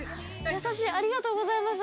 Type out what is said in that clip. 優しいありがとうございます。